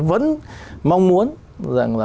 vẫn mong muốn rằng là